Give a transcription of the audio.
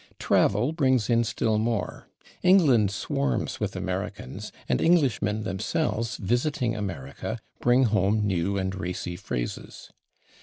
Travel brings in still more: England swarms with Americans, and Englishmen themselves, visiting America, bring home new and racy phrases.